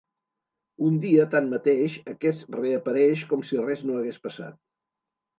Un dia, tanmateix, aquest reapareix, com si res no hagués passat.